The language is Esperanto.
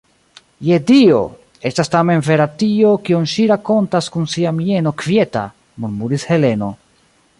Je Dio! Estas tamen vera tio, kion ŝi rakontas kun sia mieno kvieta, murmuris Heleno.